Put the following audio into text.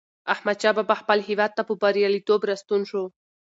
احمدشاه بابا خپل هېواد ته په بریالیتوب راستون شو.